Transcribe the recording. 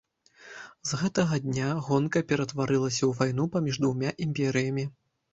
З гэтага дня гонка ператварылася ў вайну паміж двума імперыямі.